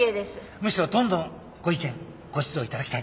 むしろどんどんご意見ご指導いただきたい。